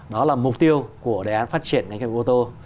đó là mục tiêu của đề án phát triển ngành công nghiệp ô tô